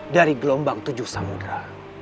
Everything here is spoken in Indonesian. dari gelombang tujuh samudera